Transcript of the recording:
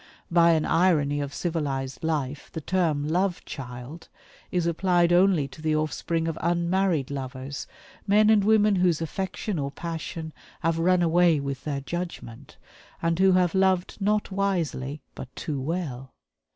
By an irony of civilized life, the term "love child" is applied only to the offspring of unmarried lovers men and women whose affection or passion have run away with their judgment, and who have "loved not wisely, but too well."